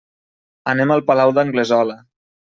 Anem al Palau d'Anglesola.